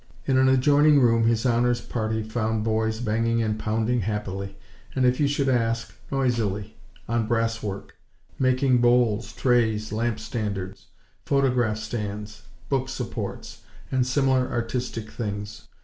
In an adjoining room His Honor's party found boys banging and pounding happily; and, if you should ask, noisily, on brasswork: making bowls, trays, lamp standards, photograph stands, book supports and similar artistic things.